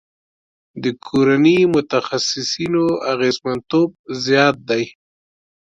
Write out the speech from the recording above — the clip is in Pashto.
د کورني متخصصینو اغیزمنتوب زیات دی.